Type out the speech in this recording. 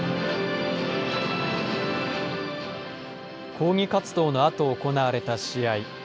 抗議活動のあと行われた試合。